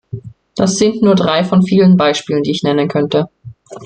Das sind nur drei von vielen Beispielen, die ich nennen könnte.